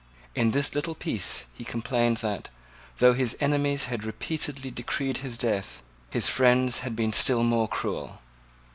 In this little piece he complained that, though his enemies had repeatedly decreed his death, his friends had been still more cruel.